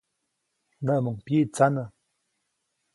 Näʼmuŋ pyiʼtsanä.